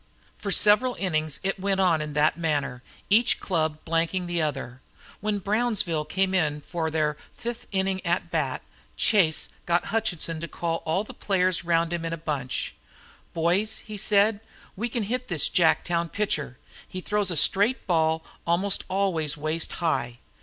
For several innings it went on in that manner, each club blanking the other. When Brownsville came in for their fifth inning at bat, Chase got Hutchinson to call all the players round him in a bunch. "Boys," he said, "we can hit this Jacktown pitcher. He throws a straight ball, almost always waist high.